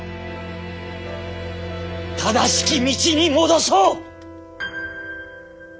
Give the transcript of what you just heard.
正しき道に戻そう！